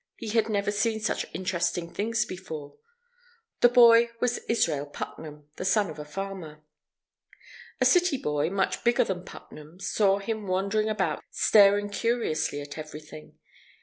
He had never seen such interesting things before. The boy was Israel Putnam, the son of a farmer. A city boy, much bigger than Putnam, saw him wandering about staring curiously at everything.